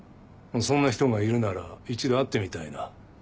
そんな人がいるなら一度会ってみたいな。